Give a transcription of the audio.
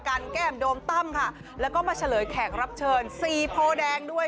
แก้มโดมตั้มค่ะแล้วก็มาเฉลยแขกรับเชิญสี่โพแดงด้วย